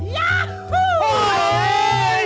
ย้าหู้